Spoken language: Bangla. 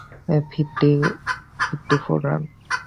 Fifty for one.